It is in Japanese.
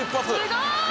すごい！